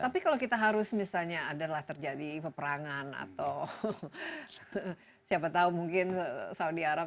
tapi kalau kita harus misalnya adalah terjadi peperangan atau siapa tahu mungkin saudi arab